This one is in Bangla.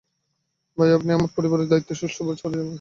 তাই আপনি আমার পরিবারের দায়িত্ব সুষ্ঠুভাবে পালন করুন!